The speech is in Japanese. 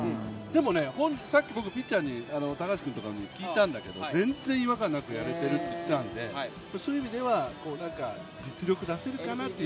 さっきピッチャー、高橋君とかに話を聞いたんだけど全然違和感なくやれてるって言ってたんでそういう意味では、実力を出せるかなっていう。